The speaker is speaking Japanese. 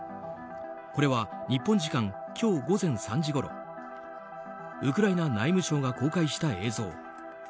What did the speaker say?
これは日本時間今日午前３時ごろウクライナ内務省が公開した映像。